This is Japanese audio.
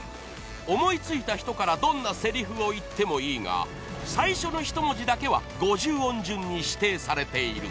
［思い付いた人からどんなせりふを言ってもいいが最初の一文字だけは５０音順に指定されている］